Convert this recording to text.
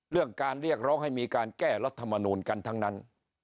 เรื่องการเรียกร้องให้มีการแก้รัฐมนูลกันทั้งนั้น